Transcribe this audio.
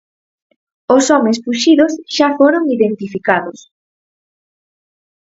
Os homes fuxidos xa foron identificados.